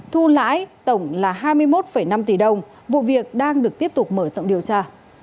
thu lãi tổng là hai mươi một năm tỷ đồng vụ việc đang được tiếp tục mở rộng điều tra